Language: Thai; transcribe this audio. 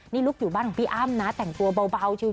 นี่ลุคอยู่บ้านของพี่อ้ำนะแต่งตัวเบาชิว